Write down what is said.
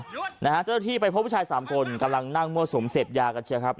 เจ้าหน้าที่ไปพบผู้ชายสามคนกำลังนั่งมั่วสุมเสพยากันเชียวครับ